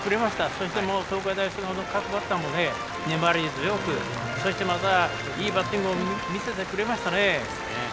そして東海大菅生の各バッターも粘り強くそしてまた、いいバッティングを見せてくれましたね。